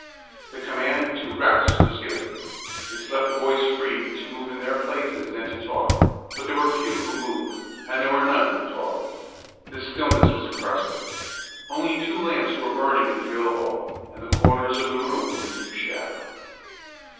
The command to "Rest!" was given. This left the boys free to move in their places and to talk; but there were few who moved and there were none who talked. The stillness was impressive. Only two lamps were burning in the drill hall, and the corners of the room were in deep shadow.